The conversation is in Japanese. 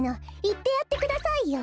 いってやってくださいよ。